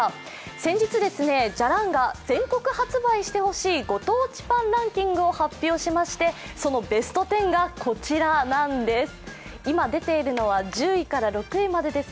先日、「じゃらん」が全国発売してほしいご当地パンを発表、そのベスト１０がこちらなんです。